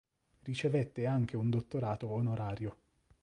Ricevette anche un dottorato onorario.